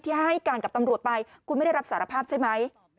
ให้การกับตำรวจไปคุณไม่ได้รับสารภาพใช่ไหม